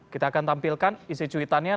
kita akan tampilkan isi cuitannya